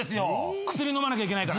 薬飲まなきゃいけないから。